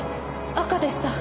赤でした。